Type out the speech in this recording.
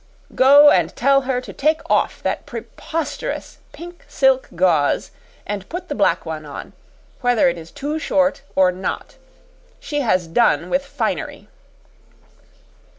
"Go and tell her to take off that preposterous pink silk gauze, and put the black one on, whether it is too short or not. She has done with finery!"